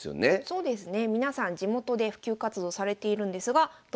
そうですね。